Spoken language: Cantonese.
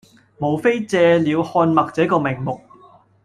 無非借了看脈這名目，